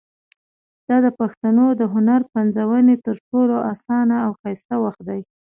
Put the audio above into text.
دا د پښتنو د هنر پنځونې تر ټولو اسانه او ښایسته وخت دی.